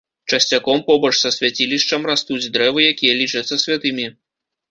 Часцяком побач са свяцілішчам растуць дрэвы, якія лічацца святымі.